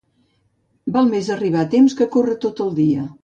Val més arribar a temps que córrer tot el dia.